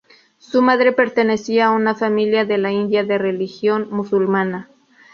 Su madre pertenecía a una familia de la India de religión musulmana.